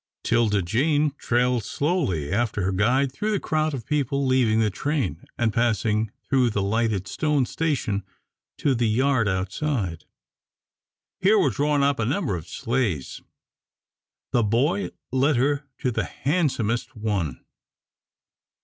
'Tilda Jane trailed slowly after her guide through the crowd of people leaving the train, and passing through the lighted stone station to the yard outside. Here were drawn up a number of sleighs. The boy led her to the handsomest one.